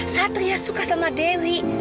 satria suka sama dewi